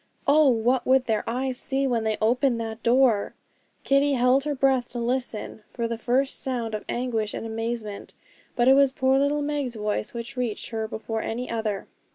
Oh! what would their eyes see when they opened that door? Kitty held her breath to listen for the first sound of anguish and amazement; but it was poor little Meg's voice which reached her before any other.